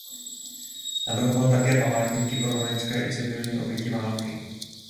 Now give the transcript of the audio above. Navrhoval také památníky pro vojenské i civilní oběti války.